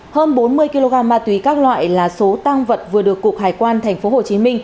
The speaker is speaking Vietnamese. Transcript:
hơn bốn mươi kg ma túy các loại là số tăng vật vừa được cục hải quan tp hcm